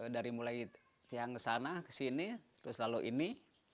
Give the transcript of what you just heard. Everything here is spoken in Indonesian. dari mulai tiang kesana kesini terus lalu ini